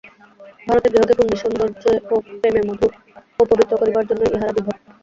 ভারতের গৃহকে পূণ্যে সৌন্দর্যে ও প্রেমে মধুর ও পবিত্র করিবার জন্যই ইঁহার আবির্ভাব।